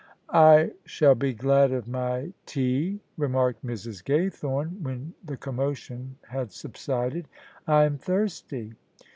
" I shall be glad of my tea," remarked Mrs. Gaythorne when the commotion had subsided :" I am thirsty."